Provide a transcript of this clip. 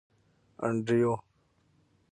انډریو.